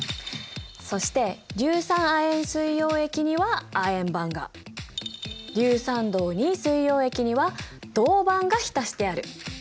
そして硫酸亜鉛水溶液には亜鉛板が硫酸銅水溶液には銅板が浸してある。